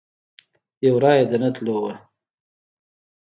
یو رایه د نه تلو وه.